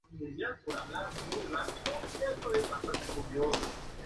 Más tarde Liam regresa a Summer Bay.